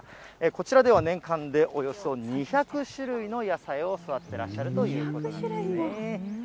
こちらでは年間でおよそ２００種類の野菜を育ててらっしゃるということなんですね。